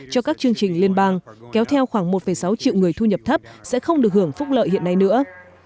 cho các chương trình liên bang kéo theo khoảng một sáu triệu người thu nhập thấp sẽ không được hưởng phúc lợi hiện nay nữa